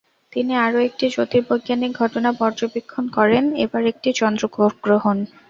তিনি আরও একটি জ্যোতির্বৈজ্ঞানিক ঘটনা পর্যবেক্ষণ করেন, এবার একটি চন্দ্রগ্রহণ।